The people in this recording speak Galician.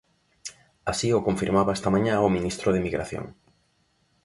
Así o confirmaba esta mañá o ministro de Migración.